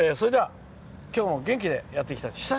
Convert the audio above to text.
今日も元気でやっていきましょう。